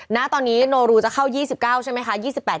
ณตอนนี้โนรูจะเข้า๒๙ใช่ไหมคะ